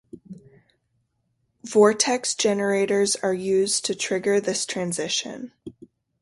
Vortex generators are used to trigger this transition.